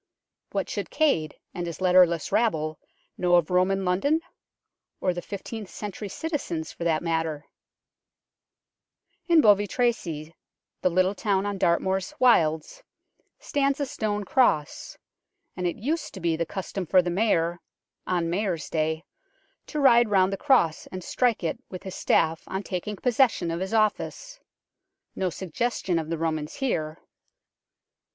What should Cade and his letterless rabble know of Roman London ? or the fifteenth century citizens, for that matter ? In Bovey Tracy, the little town on Dartmoor's wilds, stands a stone cross, and it used to be the custom for the Mayor, on Mayor's day, to ride round the cross and strike it with his staff on taking possession of his office. No suggestion of the Romans here.